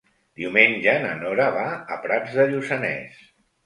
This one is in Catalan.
Diumenge na Nora va a Prats de Lluçanès.